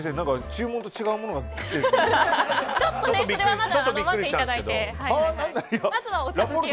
注文と違うものが来てる。